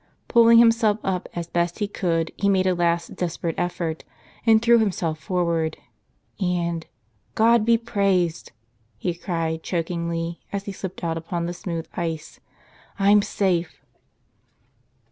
Pulling himself up as best he could, he made a last desperate effort and threw himself for¬ ward. And — "God be praised!" he cried chokingly, as he slipped out upon the smooth ice, "I'm safe."